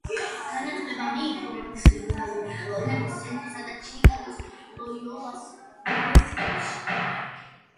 განათლება მიიღო რომის ლიბერალური ხელოვნების ცენტრსა და ჩიკაგოს ლოიოლას უნივერსიტეტში.